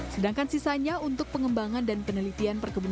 sedangkan sisanya untuk pengembangan dan penelitian perkembangan